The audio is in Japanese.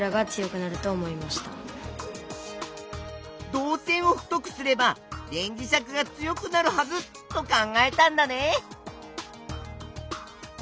導線を太くすれば電磁石が強くなるはずと考えたんだね。